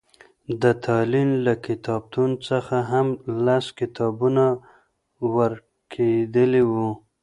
د تالين له کتابتون څخه هم لس کتابونه ورکېدلي وو.